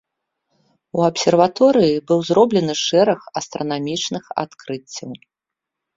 У абсерваторыі быў зроблены шэраг астранамічных адкрыццяў.